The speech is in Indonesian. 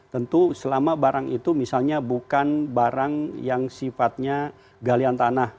tentu selama barang itu misalnya bukan barang yang sifatnya galian tanah